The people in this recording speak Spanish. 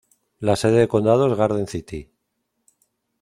La sede de condado es Garden City.